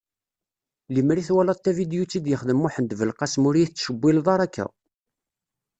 Limer i twalaḍ tavidyut i d-yexdem Muḥend Belqasem ur iyi-tettcewwileḍ ara akka.